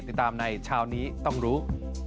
ติดตามในเช้านี้ต้องรู้